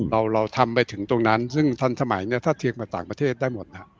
เราทำไปถึงตรงนั้นซึ่งทันสมัยเนี่ยถ้าเทียงกับต่างประเทศได้หมดนะฮะ